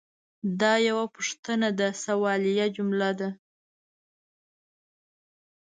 دا یوه پوښتنه ده – سوالیه جمله ده.